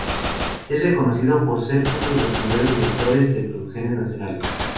Es reconocido por ser unos de los primeros directores de producciones nacionales.